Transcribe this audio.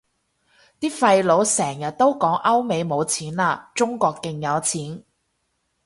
啲廢老成日都講歐美冇錢喇，中國勁有錢